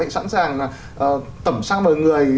tẩm sang bờ người